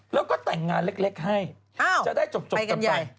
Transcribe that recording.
แล้วก็แต่งงานเล็กให้จะได้จบกันไป